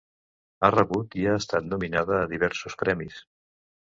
Ha rebut i ha estat nominada a diversos premis.